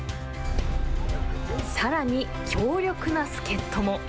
さらに強力な助っ人も。